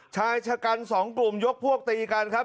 ชายชะกันสองกลุ่มยกพวกตีกันครับ